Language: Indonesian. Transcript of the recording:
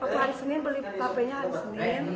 hari senin beli papenya hari senin